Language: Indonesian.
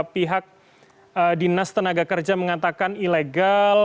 pihak dinas tenaga kerja mengatakan ilegal